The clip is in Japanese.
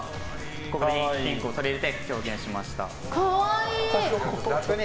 ここにピンクを取り入れて表現しました。